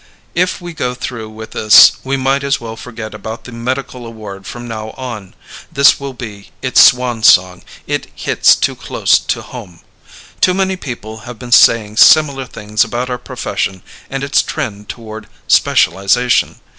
If we go through with this, we might as well forget about the medical award from now on. This will be its swan song. It hits too close to home. Too many people have been saying similar things about our profession and its trend toward specialization.